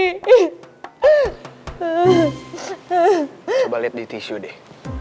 coba lihat di tisu deh